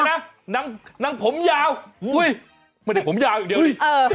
นางผมยาวไม่ได้ผมยาวอย่างเดียวดิ